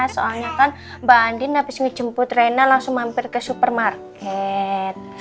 soalnya kan mbak andin habis ngejemput reina langsung mampir ke supermarket